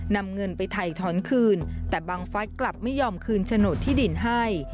นำเงินไปถ่ายถอนคืนแต่บังฟัสกลับไม่ยอมคืนโฉนดที่ดินให้